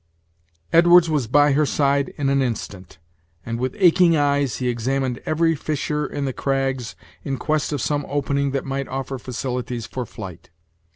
Edwards was by her side in an instant, and with aching eyes he examined every fissure in the crags in quest of some opening that might offer facilities for flight.